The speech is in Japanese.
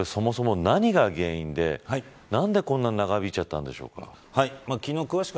三上さんこれそもそも何が原因で何でこんなに長引いちゃったんでしょうか。